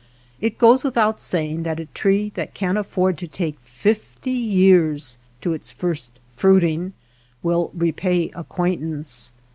It goes without saying that a tree that can afford to take fifty years to its first fruiting will repay acquaintance.